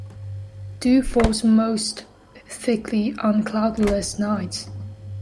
Dew falls most thickly on cloudless nights.